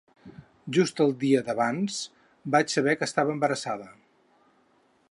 Just el dia d’abans vaig saber que estava embarassada!